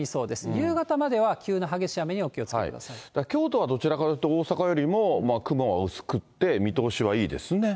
夕方までは急な激しい雨にお気を京都はどちらかというと、大阪よりも雲が薄くって、見通しはいいですね。